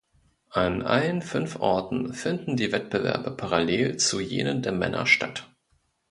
An allen fünf Orten finden die Wettbewerbe parallel zu jenen der Männer statt.